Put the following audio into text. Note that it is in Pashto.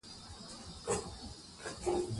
هغه څېړنې چې مفتي صاحب کړي ډېرې ژورې دي.